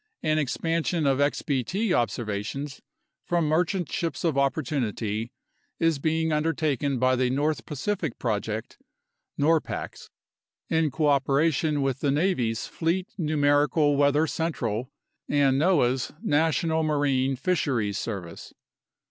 An expan sion of xbt observations from merchant ships of opportunity is being undertaken by the North Pacific project (norpax), in cooperation with the Navy's Fleet Numerical Weather Central and noaa's National Marine Fisheries Service.